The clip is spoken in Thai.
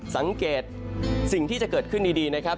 สังเกตสิ่งที่จะเกิดขึ้นดีนะครับ